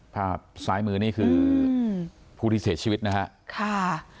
ครับซ้ายมือนี่คืออืมผู้ที่เสพชีวิตนะฮะค่ะ